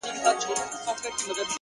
پوهه د تیارو افکارو پر وړاندې ډال ده!.